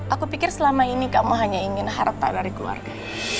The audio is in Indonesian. aku pikir selama ini kamu hanya ingin harta dari keluarga